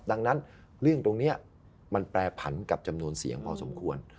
ดังนั้นเรื่องตรงนี้มันแปรผันกับจำนวนเสียงพอสมควร